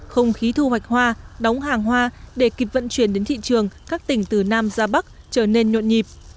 không khí thu hoạch hoa đóng hàng hoa để kịp vận chuyển đến thị trường các tỉnh từ nam ra bắc trở nên nhộn nhịp